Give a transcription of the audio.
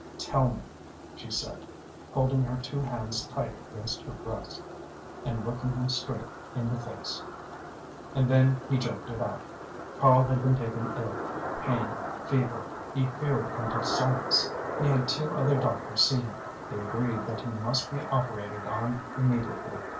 "Tell me," she said, holding her two hands tight against her breast, and looking him straight in the face. And then he jerked it out. Karl had been taken ill pain, fever, he feared appendicitis. He had two other doctors see him; they agreed that he must be operated on immediately.